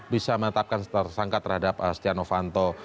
bisa menetapkan tersangka terhadap stiano fanto